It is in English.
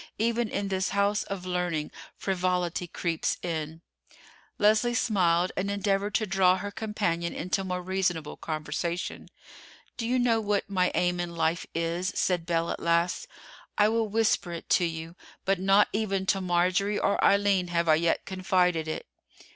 Even in this house of learning frivolity creeps in." Leslie smiled and endeavored to draw her companion into more reasonable conversation. "Do you know what my aim in life is?" said Belle at last. "I will whisper it to you; but not even to Marjorie or Eileen have I yet confided it."